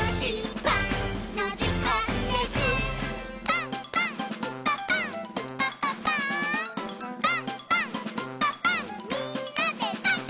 「パンパンんパパンみんなでパン！」